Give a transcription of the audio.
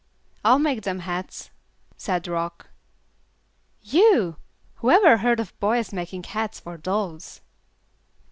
"I'll make them hats," said Rock. "You! Whoever heard of boys making hats for dolls?"